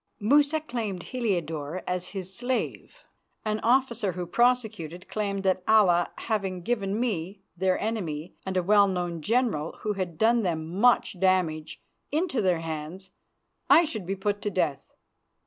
Musa claimed Heliodore as his slave. An officer who prosecuted claimed that Allah having given me, their enemy and a well known general who had done them much damage, into their hands, I should be put to death.